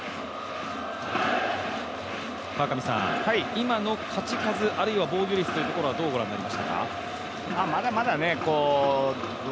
今の勝ち数、あるいは防御率はどうご覧になりましたか？